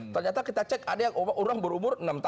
ternyata kita cek ada yang berumur enam